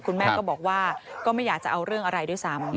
คุณแม่ก็บอกว่าก็ไม่อยากจะเอาเรื่องอะไรด้วยซ้ำ